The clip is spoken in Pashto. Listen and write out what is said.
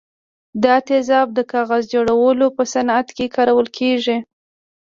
دا تیزاب د کاغذ جوړولو په صنعت کې کارول کیږي.